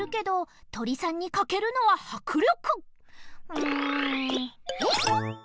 うんえい！